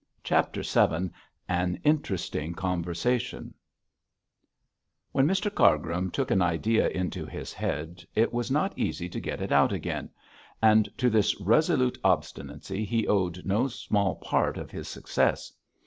CHAPTER VII AN INTERESTING CONVERSATION When Mr Cargrim took an idea into his head it was not easy to get it out again, and to this resolute obstinacy he owed no small part of his success.